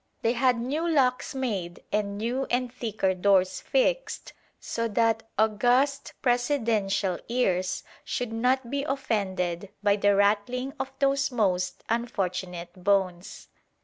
They had new locks made and new and thicker doors fixed so that august presidential ears should not be offended by the rattling of those most unfortunate bones.